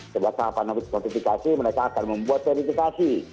sebuah tahapan notifikasi mereka akan membuat verifikasi